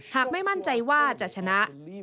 หากไม่มั่นใจว่าจะชนะ